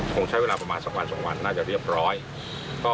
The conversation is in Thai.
คงใช้เวลาประมาณ๒วัน๒วันน่าจะเรียบร้อย